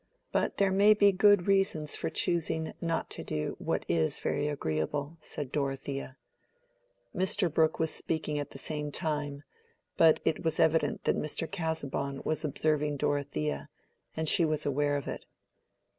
But there may be good reasons for choosing not to do what is very agreeable," said Dorothea. Mr. Brooke was speaking at the same time, but it was evident that Mr. Casaubon was observing Dorothea, and she was aware of it.